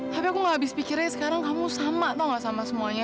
tapi aku gak habis pikirnya sekarang kamu sama atau gak sama semuanya